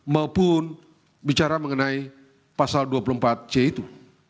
maupun bicara mengenai pasal dua puluh empat c itu